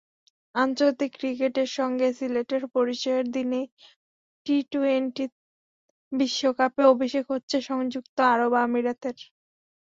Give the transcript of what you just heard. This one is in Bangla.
আন্তর্জাতিক ক্রিকেটের সঙ্গে সিলেটের পরিচয়ের দিনেই টি-টোয়েন্টি বিশ্বকাপে অভিষেক হচ্ছে সংযুক্ত আরব আমিরাতের।